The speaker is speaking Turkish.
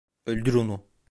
Öldür onu!